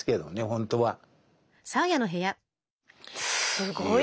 すごいね。